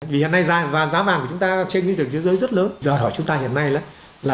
vì hiện nay giá vàng của chúng ta trên nguyên liệu thế giới rất lớn